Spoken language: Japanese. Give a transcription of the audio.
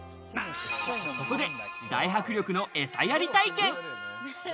ここで大迫力のえさやり体験。